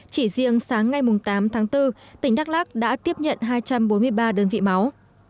chỉ riêng sáng ngày tám tháng bốn tỉnh đắk lắc đã tiếp nhận hai trăm bốn mươi ba đơn vị máu